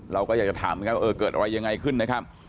เราก็อยากจะถามว่าเกิดอะไรยังไงขึ้นนะครับ